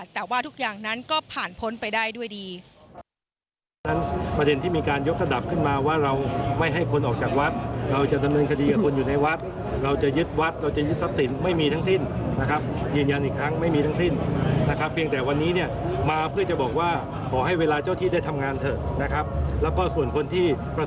แต่ว่าทุกอย่างนั้นก็ผ่านพ้นไปได้ด้วยดี